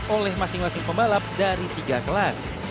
oleh masing masing pembalap dari tiga kelas